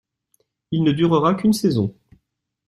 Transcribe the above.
Il ne durera qu'une saison.